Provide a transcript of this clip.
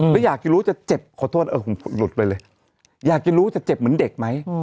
แล้วอยากจะรู้จะเจ็บขอโทษเออผมหลุดไปเลยอยากจะรู้จะเจ็บเหมือนเด็กไหม